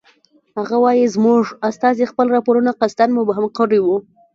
هغه وایي زموږ استازي خپل راپورونه قصداً مبهم کړی وو.